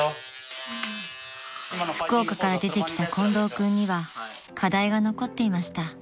［福岡から出てきた近藤君には課題が残っていました］